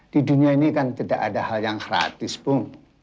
di dunia ini kan tidak ada hal yang gratis pun